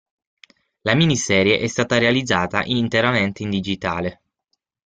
La miniserie è stata realizzata interamente in digitale.